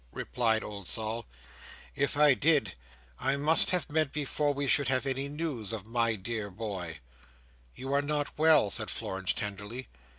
'" replied old Sol. "If I did, I must have meant before we should have news of my dear boy." "You are not well," said Florence, tenderly.